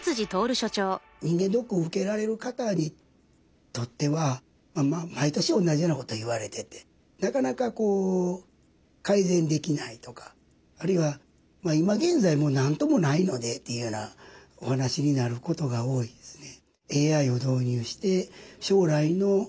人間ドックを受けられる方にとっては毎年同じようなことを言われててなかなか改善できないとかあるいは今現在なんともないのでというようなお話になることが多いですね。